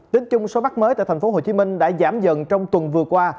tính chung số mắc mới tại thành phố hồ chí minh đã giảm dần trong tuần vừa qua